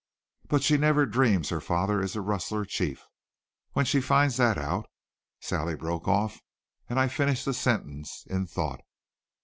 But she never dreams her father is a rustler chief. When she finds that out " Sally broke off and I finished the sentence in thought.